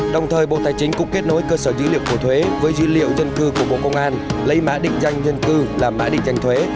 đồng thời bộ tài chính cũng kết nối cơ sở dữ liệu của thuế với dữ liệu dân cư của bộ công an lấy mã định danh dân cư làm mã định danh thuế